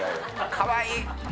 かわいい！